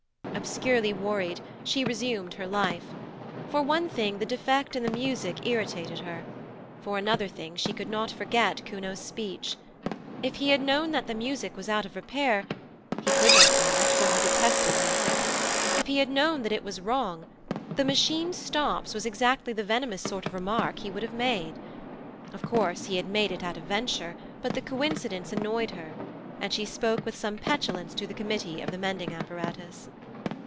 Obscurely worried, she resumed her life. For one thing, the defect in the music irritated her. For another thing, she could not forget Kuno's speech. If he had known that the music was out of repair he could not know it, for he detested music if he had known that it was wrong, 'the Machine stops' was exactly the venomous sort of remark he would have made. Of course he had made it at a venture, but the coincidence annoyed her, and she spoke with some petulance to the Committee of the Mending Apparatus.